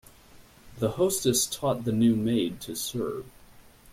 The hostess taught the new maid to serve.